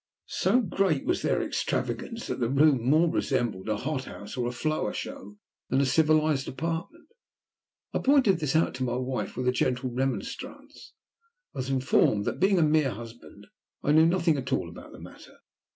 So great was their extravagance that the room more resembled a hot house, or a flower show, than a civilized apartment. I pointed this out to my wife with a gentle remonstrance, and was informed that, being a mere husband, I knew nothing at all about the matter.